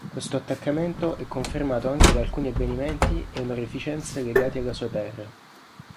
Questo attaccamento è confermato anche da alcuni avvenimenti e onorificenze legati alla sua terra.